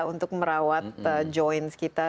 untuk merawat joints kita